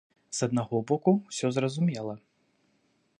З аднаго боку, усё зразумела.